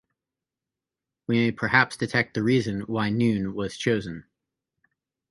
We may perhaps detect the reason why noon was chosen.